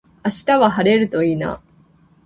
明日は晴れるといいな。